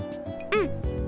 うん！